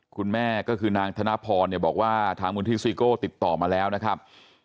คุณแม่ก็คือนางธนพบอกว่าธามพุทธศีโกะติดต่อมาแล้วนะครับ